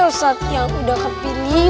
ustadz yang udah kepilih